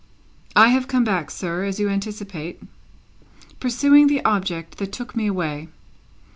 "I have come back, sir, as you anticipate, pursuing the object that took me away.